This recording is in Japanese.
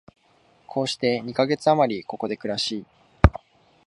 こうして二カ月あまり、ここで暮らし、